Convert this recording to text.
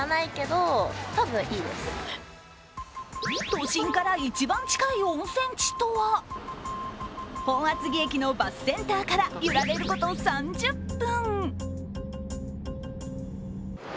都心から一番近い温泉地とは本厚木駅のバスセンターから揺られること３０分。